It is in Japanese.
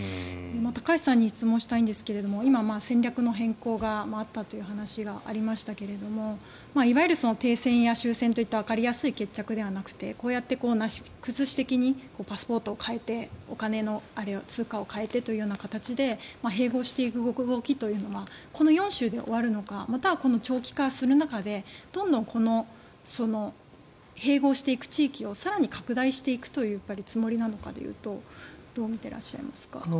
高橋さんに質問したいんですが今、戦略の変更があったという話がありましたけどもいわゆる停戦や終戦といったわかりやすい決着ではなくてこうやってなし崩し的にパスポートを変えてお金の通貨を変えてという形で併合していく動きというのはこの４州で終わるのかまたは長期化する中でどんどん併合していく地域を更に拡大していくというつもりなのかでいうとどう見ていらっしゃいますか？